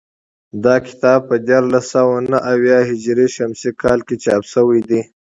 دا کتاب په دیارلس سوه نهه اویا هجري شمسي کال کې چاپ شوی دی